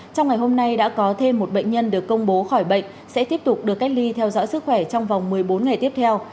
trong ngày hôm nay đã có thêm một bệnh nhân được công bố khỏi bệnh sẽ tiếp tục được cách ly theo dõi sức khỏe trong vòng một mươi bốn ngày tiếp theo